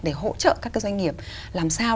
để hỗ trợ các cái doanh nghiệp làm sao